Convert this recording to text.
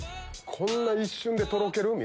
こんな一瞬でとろける？